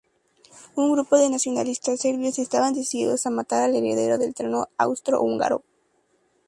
Un grupo de nacionalistas serbios estaban decididos a matar al heredero del trono austro-húngaro.